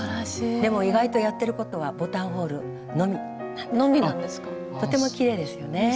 でも意外とやってることはボタンホールのみ。のみなんですか？